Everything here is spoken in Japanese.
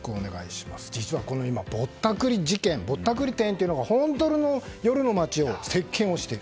実は、今、ぼったくり事件ぼったくり店というのが夜の街を席巻している。